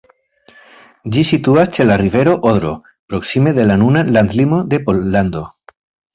Ĝi situas ĉe la rivero Odro, proksime de la nuna landlimo de Pollando.